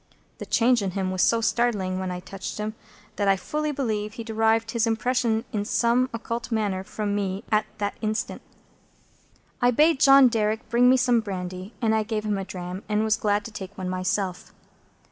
The change in him was so startling, when I touched him, that I fully believe he derived his impression in some occult manner from me at that instant. I bade John Derrick bring some brandy, and I gave him a dram, and was glad to take one myself.